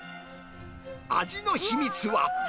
味の秘密は。